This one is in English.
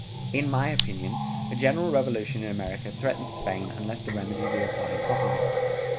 ... In my opinion, a general revolution in America threatens Spain unless the remedy be applied promptly.